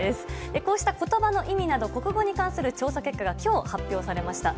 こうした言葉の意味など国語に関する調査結果が今日、発表されました。